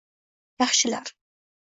Yaxshilar